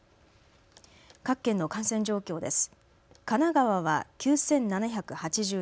各県の感染状況です。